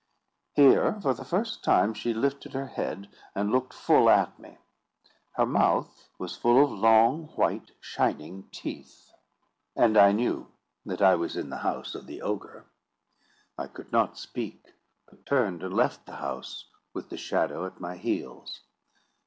Here, for the first time, she lifted her head, and looked full at me: her mouth was full of long, white, shining teeth; and I knew that I was in the house of the ogre. I could not speak, but turned and left the house, with the shadow at my heels.